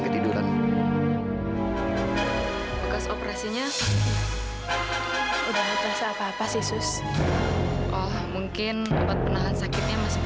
tiduran operasinya udah ngerasa apa apa sih sus oh mungkin untuk penahan sakitnya masih